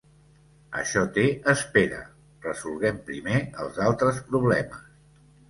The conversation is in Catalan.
Això té espera: resolguem primer els altres problemes.